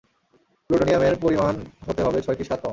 প্লুটোনিয়ামের পরিমাণ হতে হবে ছয় কি সাত পাউন্ড!